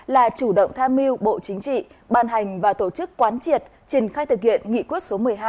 là chủ động tham mưu bộ chính trị ban hành và tổ chức quán triệt triển khai thực hiện nghị quyết số một mươi hai